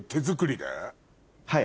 はい。